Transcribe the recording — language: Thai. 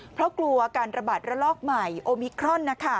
เพราะกลัวการระบาดระลอกใหม่โอมิครอน